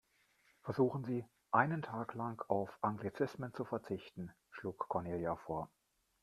Versuchen Sie, einen Tag lang auf Anglizismen zu verzichten, schlug Cornelia vor.